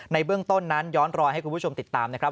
ในเบื้องต้นนั้นย้อนรอยให้คุณผู้ชมติดตามนะครับ